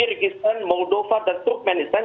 kyrgyzstan moldova dan turkmenistan